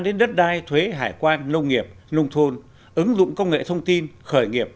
đến đất đai thuế hải quan nông nghiệp nông thôn ứng dụng công nghệ thông tin khởi nghiệp